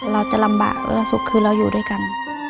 เราจะลำบากและสุขคือเราอยู่ด้วยกัน